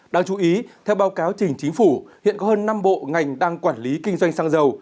đáng chú ý theo báo cáo trình chính phủ hiện có hơn năm bộ ngành đang quản lý kinh doanh xăng dầu